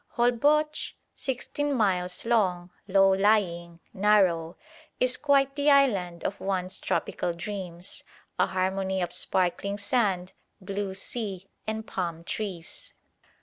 Holboch sixteen miles long, low lying, narrow is quite the island of one's tropical dreams, a harmony of sparkling sand, blue sea, and palm trees.